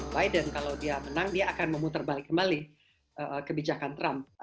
biden kalau dia menang dia akan memutar balik kembali kebijakan trump